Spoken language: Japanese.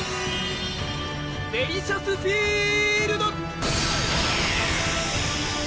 デリシャスフィールド！